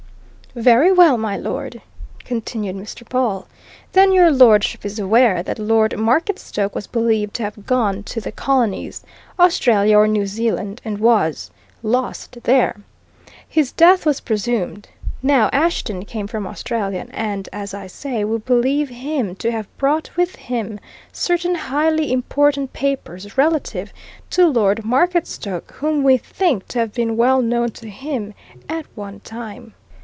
"Very well, my lord," continued Mr. Pawle. "Then your lordship is aware that Lord Marketstoke was believed to have gone to the Colonies Australia or New Zealand and was lost there. His death was presumed. Now, Ashton came from Australia, and as I say, we believe him to have brought with him certain highly important papers relative to Lord Marketstoke, whom we think to have been well known to him at one time.